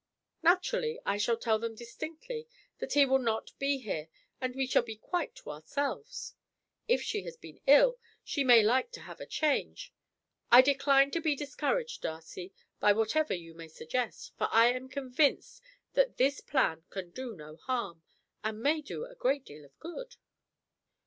"Naturally, I shall tell them distinctly that he will not be here and we shall be quite to ourselves. If she has been ill, she may like to have a change. I decline to be discouraged, Darcy, by whatever you may suggest, for I am convinced that this plan can do no harm, and may do a great deal of good."